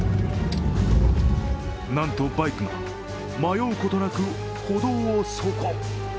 なんとバイクが迷うことなく歩道を走行。